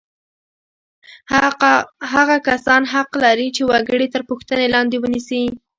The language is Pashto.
هغه کسان حق لري چې وګړي تر پوښتنې لاندې ونیسي.